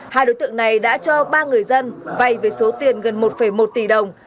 hai đối tượng này đã cho ba người dân vay với số tiền gần một một tỷ đồng